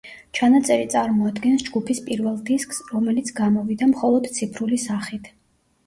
ჩანაწერი წარმოადგენს ჯგუფის პირველ დისკს, რომელიც გამოვიდა მხოლოდ ციფრული სახით.